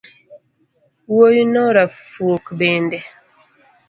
Wuoino rafuok bende